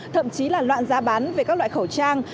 thậm chí là loạn giá bán về các loại khẩu trang